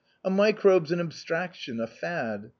A microbe's an ab straction, a fad.